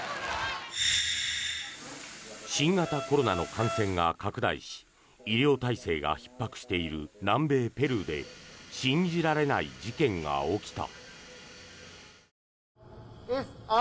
新型コロナの感染が拡大し医療体制がひっ迫している南米ペルーで信じられない事件が起きた。